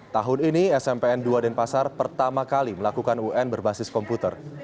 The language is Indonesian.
tahun ini smpn dua denpasar pertama kali melakukan un berbasis komputer